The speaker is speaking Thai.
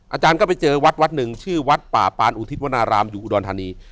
อาจารย์ก็ไปเจอวัดวัดหนึ่งชื่อวัดป่าปานอุทิศวนารามอยู่อุดรธานี